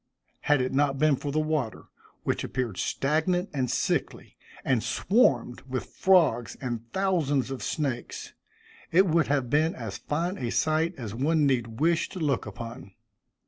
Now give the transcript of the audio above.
Had it not been for the water, which appeared stagnant and sickly, and swarmed with frogs and thousands of snakes, it would have been as fine a sight as one need wish to look upon.